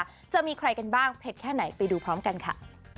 จะมีใครกันบ้างเผ็ดแค่ไหนไปดูพร้อมกันค่ะ